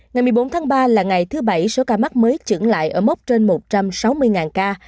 ngày một mươi bốn tháng ba là ngày thứ bảy số ca mắc mới trứng lại ở mốc trên một trăm sáu mươi ca